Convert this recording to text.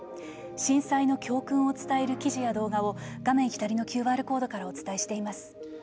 震災の教訓を伝える記事や動画を画面左のＱＲコードからお伝えしています。